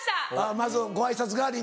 まずご挨拶代わりに。